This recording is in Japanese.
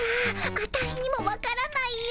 アタイにもわからないよ。